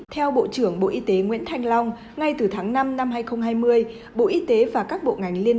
theo bộ trưởng bộ y tế nguyễn thanh long ngay từ tháng năm năm hai nghìn hai mươi bộ y tế và các bộ ngành liên